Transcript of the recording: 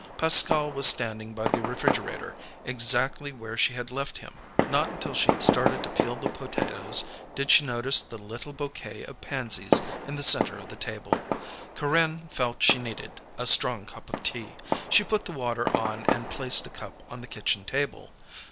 Pascal was standing by the refrigerator, exactly where she had left him. Not until she had started to peel the potatoes did she notice the little bouquet of pansies in the center of the table. Corinne felt she needed a strong cup of tea. She put the water on and placed a cup on the kitchen table.